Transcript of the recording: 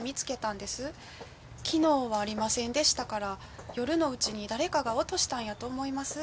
昨日はありませんでしたから夜のうちに誰かが落としたんやと思います。